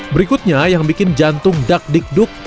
berikutnya yang bikin jantung dakdikduk